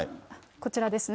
こちらですね。